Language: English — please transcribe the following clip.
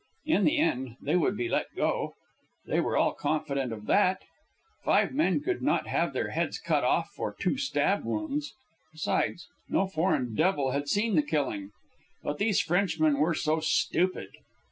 In the end they would be let go. They were all confident of that. Five men could not have their heads cut off for two stab wounds. Besides, no foreign devil had seen the killing. But these Frenchmen were so stupid.